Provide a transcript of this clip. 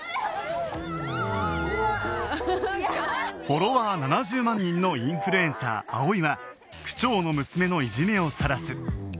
フォロワー７０万人のインフルエンサー葵は区長の娘のいじめをさらす